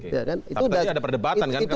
tapi tadi ada perdebatan kan